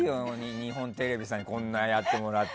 日本テレビさんにこんなやってもらって。